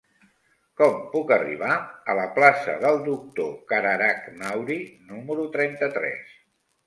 Com puc arribar a la plaça del Doctor Cararach Mauri número trenta-tres?